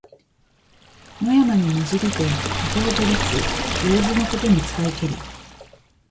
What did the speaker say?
野山にまじりて竹を取りつ、よろづのことに使いけり。